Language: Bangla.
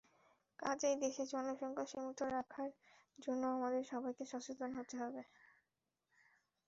কাজেই দেশের জনসংখ্যা সীমিত রাখার জন্য আমাদের সবাইকে সচেতন হতে হবে।